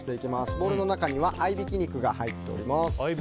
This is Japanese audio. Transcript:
ボウルの中には合いびき肉が入っております。